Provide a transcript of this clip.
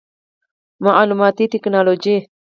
معلوماتي ټکنالوجي